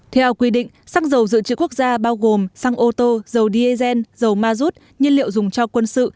theo quy định xăng dầu dự trữ quốc gia bao gồm xăng ô tô dầu diesel dầu ma rút nhiên liệu dùng cho quân sự